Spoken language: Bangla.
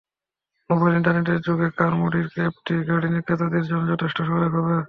মোবাইল ইন্টারনেটের যুগে কারমুডির অ্যাপটি গাড়ি ক্রেতাদের জন্য যথেষ্ট সহায়ক হবে।